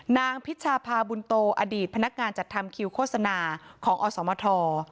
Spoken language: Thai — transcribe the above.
พิชาพาบุญโตอดีตพนักงานจัดทำคิวโฆษณาของอสมท